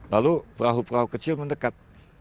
lalu perahu perahu kecil mendekat